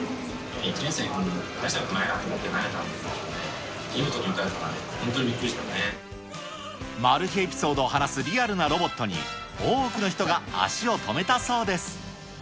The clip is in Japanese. １年生は大したことないなと思って投げたんだけどね、見事に打たマル秘エピソードを話すリアルなロボットに、多くの人が足を止めたそうです。